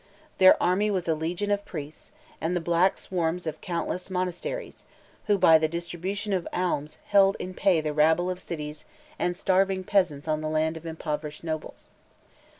Their army was a legion of priests, and the black swarms of countless monasteries, who by the distribution of alms held in pay the rabble of cities and starving peasants on the lands of impoverished nobles.